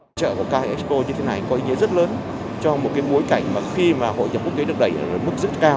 hội trợ của ca expo như thế này có ý nghĩa rất lớn cho một mối cảnh khi mà hội trợ quốc tế được đẩy là mức rất cao